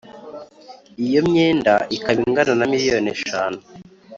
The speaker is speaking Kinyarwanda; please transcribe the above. iyo myenda ikaba ingana na miliyoni eshanu